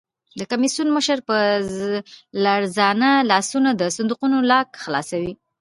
د کمېسیون مشر په لړزانه لاسونو د صندوقونو لاک خلاصوي.